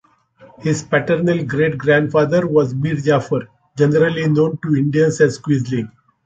His paternal great-grandfather was Mir Jafar, generally known to Indians as a quisling.